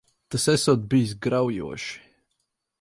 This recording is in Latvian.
Tas esot bijis graujoši.